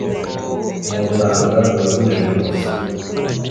nuburanga buhebuje rwose